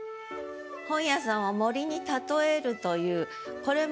本屋さんを森に例えるというこれも。